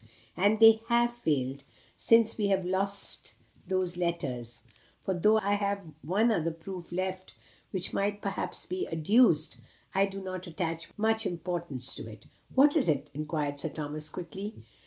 And they have failed since we have lost those letters, for though I have one other proof left which might perhaps be adduced, I do not attach much importance to it." "What is it?" inquired Sir Thomas, quickly.